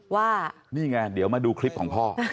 ว่านี่ไงเดี๋ยวมาดูคลิปของพ่อ